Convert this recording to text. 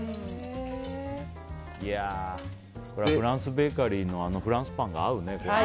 これはフランスベーカリーのフランスパンが合うね。